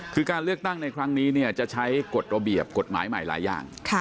คือการเลือกตั้งในครั้งนี้จะใช้กฎระเบียบกฎหมายใหม่หลายอย่าง